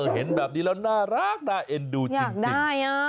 เห็นแบบนี้แล้วน่ารักน่าเอ็นดูจริงอยากได้